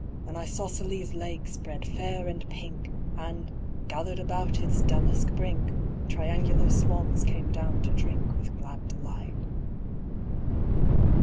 An isosceles lake spread fair and pink, And, gathered about its damask brink, Triangular swans came down to drink With glad delight.